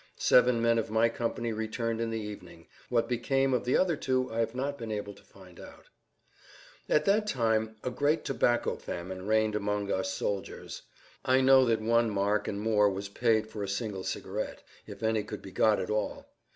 Seven men of my company returned in the evening; what became of the other two I have not been able to find out. [Pg 40]At that time a great tobacco famine reigned amongst us soldiers. I know that one mark and more was paid for a single cigarette, if any could be got at all.